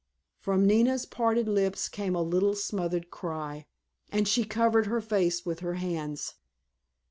From Nina's parted lips came a little smothered cry, and she covered her face with her hands.